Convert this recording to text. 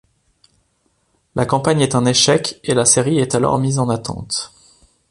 La campagne est un échec et la série est alors mise en attente.